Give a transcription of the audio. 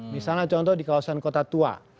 misalnya contoh di kawasan kota tua